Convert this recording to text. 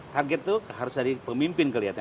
target itu harus dari pemimpin kelihatannya